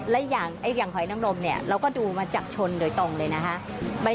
และอย่างหอยน้ำนมเนี่ยเราก็ดูมาจากชนโดยตรงเลยนะคะ